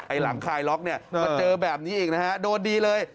ไอ้หลังคายล็อคมาเจอแบบนี้อีกโดดดีเลย